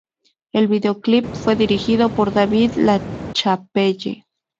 El vídeo clip fue dirigido por David LaChapelle.